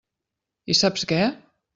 I saps què?